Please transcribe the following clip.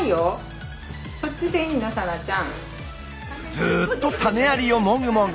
ずっと種ありをもぐもぐ。